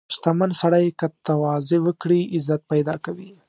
• شتمن سړی که تواضع وکړي، عزت پیدا کوي.